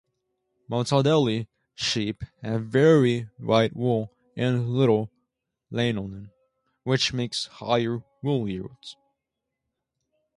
Montadale sheep have very white wool and little lanolin, which makes higher wool yields.